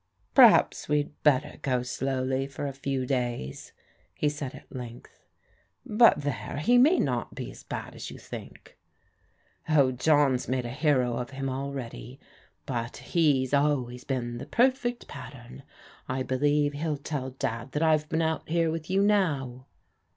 " Per haps we'd better go slowly for a few days," he said at lengthy " but there, he may not be as bad as you think." "Oh, John's made a hero of him already; but he's always been the perfect pattern. I believe he'll tell Dad that I've been out here with you now."